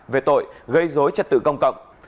về tội gây dối trật tự công cộng